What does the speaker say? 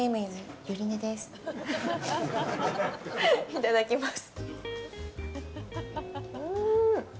いただきます。